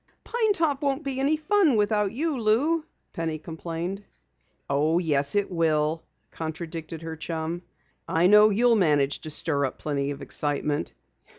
"Pine Top won't be any fun without you, Lou," Penny complained. "Oh, yes it will," contradicted her chum. "I know you'll manage to stir up plenty of excitement.